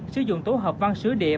sử dụng tổ hợp văn sử địa